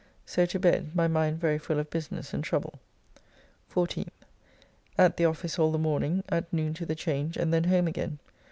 So to bed, my mind very full of business and trouble. 14th. At the office all the morning, at noon to the Change, and then home again.